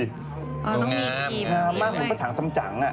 อ๋อต้องมีพรีม